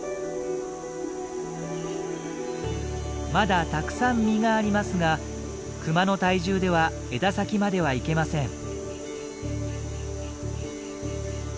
まだたくさん実がありますがクマの体重では枝先までは行けません。